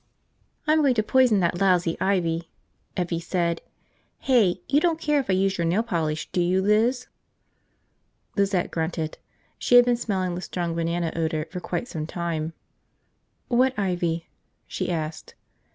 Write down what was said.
"I'm going to poison that lousy ivy," Evvie said. "Hey, you don't care if I use your nail polish, do you, Liz?" Lizette grunted. She had been smelling the strong banana odor for quite some time. "What ivy?" she asked.